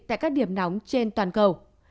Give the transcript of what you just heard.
tại các điểm nóng trên toàn cầu